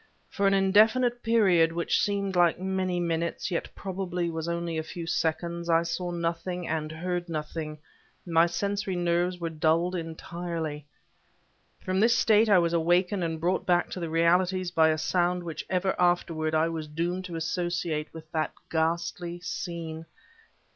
For an indefinite period, which seemed like many minutes yet probably was only a few seconds, I saw nothing and heard nothing; my sensory nerves were dulled entirely. From this state I was awakened and brought back to the realities by a sound which ever afterward I was doomed to associate with that ghastly scene.